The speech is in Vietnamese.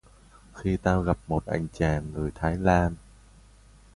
Khi tao gặp một anh chàng người Thái Lan